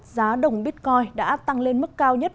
giá đồng bitcoin đã tăng lên mức cao nhất